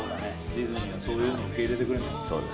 ディズニーはそういうの受け入れてくれる。